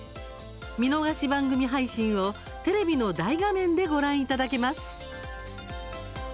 見逃し番組配信をテレビの大画面でご覧いただけます。